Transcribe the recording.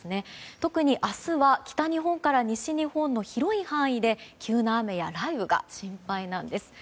特に明日は北日本から西日本の広い範囲で急な雨や雷雨が心配なんです。